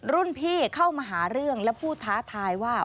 รุ่นพี่เข้ามาหาเรื่องและพูดท้าทายว่า